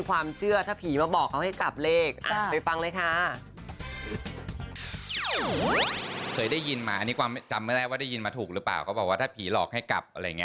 วางแสนจ๊ะไปฟังดีกว่าว่ากว่านี้มีอะไรเด็ดนะคะ